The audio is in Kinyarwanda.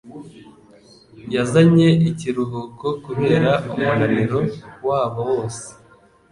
yazanye ikiruhuko kubera umunaniro wabo wose